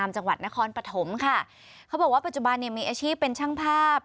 จุบันมีอาชีพเป็นช่างภาพ